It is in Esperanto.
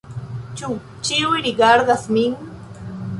Ĉu ĉiuj rigardas min?